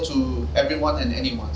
untuk semua orang dan semua orang